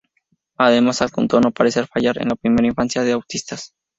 Además, adjunto no parece fallar en la primera infancia de autistas.